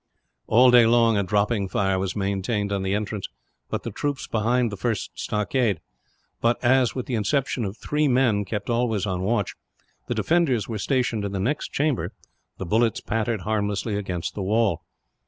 All day long a dropping fire was maintained on the entrance, by the troops behind the first stockade; but as, with the exception of three men kept always on watch, the defenders were stationed in the next chamber, the bullets pattered harmlessly against the wall.